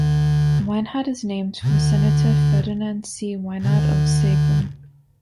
Weinert is named for Senator Ferdinand C. Weinert of Seguin.